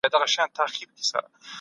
ډاکټر زیار د پښتو ادب ځلانده ستوری دئ.